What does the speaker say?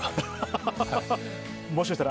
もしかしたら。